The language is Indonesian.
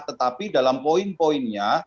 tetapi dalam poin poinnya